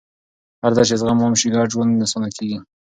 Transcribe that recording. هرځل چې زغم عام شي، ګډ ژوند اسانه کېږي.